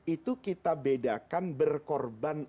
itu kita bedakan berkorban